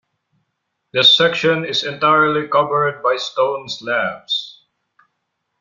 This section is entirely covered by stone slabs.